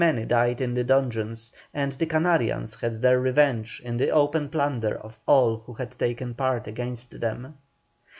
Many died in the dungeons, and the Canarians had their revenge in the open plunder of all who had taken part against them.